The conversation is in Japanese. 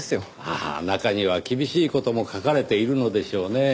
ああ中には厳しい事も書かれているのでしょうねぇ。